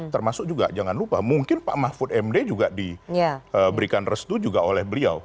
termasuk juga jangan lupa mungkin pak mahfud md juga diberikan restu juga oleh beliau